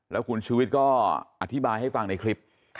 แล้วคุณชูวิทย์ก็อธิบายให้ฟังในคลิป